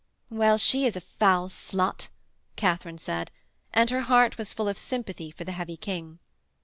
'Well, she is a foul slut,' Katharine said, and her heart was full of sympathy for the heavy King.